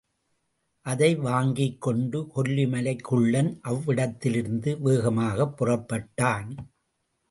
அதை வாங்கிக்கொண்டு கொல்லிமலைக் குள்ளன் அவ்விடத்திலிருந்து வேகமாகப் புறப்பட்டான்.